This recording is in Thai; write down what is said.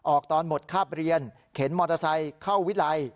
ออกตอนหมดคาบเรียนเข็นมอเตอร์ไซค์เข้าวิรัย